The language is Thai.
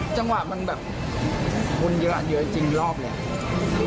จังหวะมันแบบมนต์เยอะจริงรอบแหละ